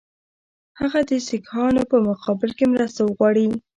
هغه د سیکهانو په مقابل کې مرسته وغواړي.